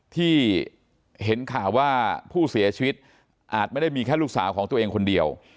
ที่เห็นข่าวว่าผู้เสียชีวิตอาจไม่ได้มีแค่ลูกสาวของตัวเองคนเดียว